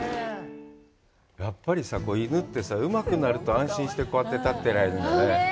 やっぱりさ、犬ってさ、うまくなると、安心して、こうやって立ってられるんだね。